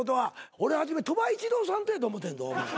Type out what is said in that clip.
俺初め鳥羽一郎さんとやと思うてんぞ。